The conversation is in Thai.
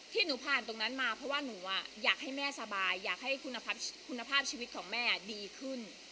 ที่หนูผ่านตรงนั้นมาเพราะว่าหนูอยากให้แม่สบายอยากให้คุณภาพชีวิตของแม่ดีขึ้น